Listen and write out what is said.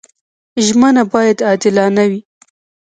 ژمنه باید عادلانه وي.